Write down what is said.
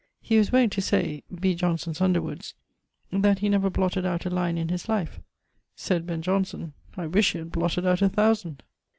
He was wont to say (B. Johnson's Underwoods) that he 'never blotted out a line in his life'; sayd Ben: Johnson, 'I wish he had blotted out a thousand.'